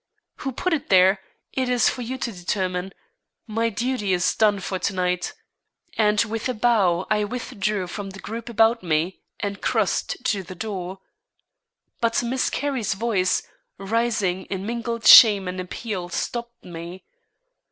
Who put it there, it is for you to determine; my duty is done for to night." And with a bow I withdrew from the group about me and crossed to the door. But Miss Carrie's voice, rising in mingled shame and appeal, stopped me.